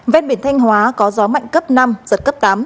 ven biển thanh hóa có gió mạnh cấp năm giật cấp tám